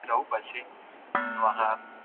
خدایزده چېرته مو وو تله؟